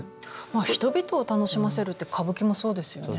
まあ人々を楽しませるって歌舞伎もそうですよね。